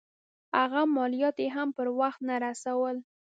هغه مالیات یې هم پر وخت نه رسول.